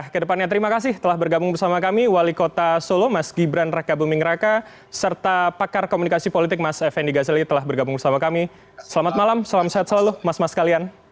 oke berarti akan fokus dulu di solo mas gibran raka buming raka serta pakar komunikasi politik mas effendi ghazali telah bergabung bersama kami selamat malam selam sehat selalu mas mas kalian